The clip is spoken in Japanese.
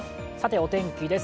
お天気です。